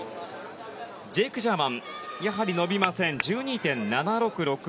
ジェイク・ジャーマンやはり伸びません。１２．７６６。